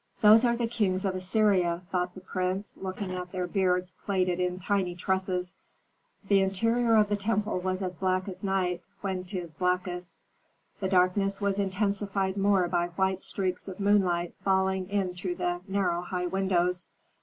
"Those are kings of Assyria," thought the prince, looking at their beards plaited in tiny tresses. The interior of the temple was as black as night when 'tis blackest. The darkness was intensified more by white streaks of moonlight falling in through narrow high windows.